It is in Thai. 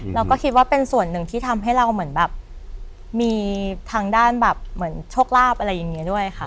เราก็คิดว่าเป็นส่วนหนึ่งที่ทำให้เราเหมือนแบบมีทางด้านแบบเหมือนโชคลาภอะไรอย่างนี้ด้วยค่ะ